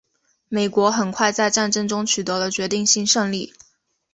美国很快在战争中取得了决定性胜利。